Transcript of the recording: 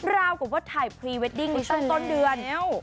ราวกับพ่อไทยพรีเวดดิ่งช่วงต้นเดือน